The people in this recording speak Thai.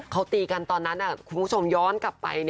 เขาตีกันตอนนั้นคุณผู้ชมย้อนกลับไป